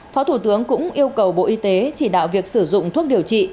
phó thủ tướng cũng yêu cầu bộ y tế chỉ đạo việc sử dụng thuốc điều trị